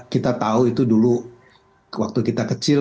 kita tahu itu dulu waktu kita kecil